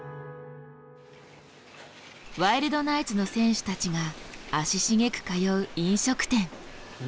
ワイルドナイツの選手たちが足しげく通う飲食店。